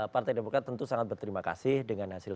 partai demokrat tentu sangat berterima kasih dengan hasil